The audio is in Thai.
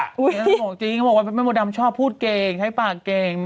บอกจริงเขาบอกว่าแม่มดดำชอบพูดเก่งใช้ปากเก่ง